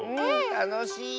たのしい！